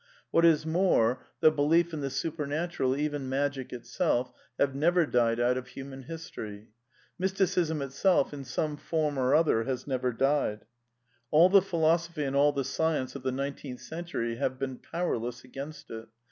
What is more, the belief in the supernatural, even Magic itself, have never died out of human history. Mysticism itself, in some form or otheTyri^^ has never died. All the philosophy and all the science oiTi^ ( the nineteenth century have been powerless against it.